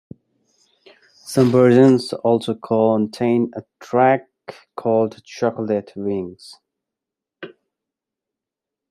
Some versions also contain a track called "Chocolate Wings".